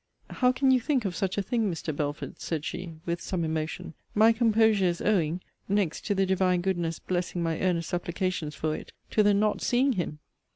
How can you think of such a thing, Mr. Belford? said she, with some emotion; my composure is owing, next to the Divine goodness blessing my earnest supplications for it, to the not seeing him.